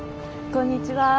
こんにちは。